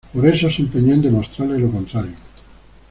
Por eso, se empeñó en demostrarle lo contrario.